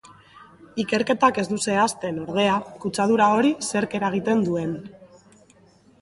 Ikerketak ez du zehazten, ordea, kutsadura hori zerk eragiten duen.